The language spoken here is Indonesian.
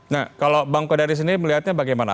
nah kalau bang kodari sendiri melihatnya bagaimana